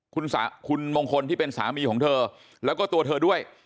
คุณมงคลที่เป็นสามีของเธอแล้วก็ตัวเธอด้วย